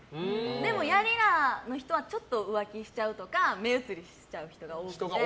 でも、やりらの人はちょっと浮気しちゃうとか目移りしちゃう人が多くて。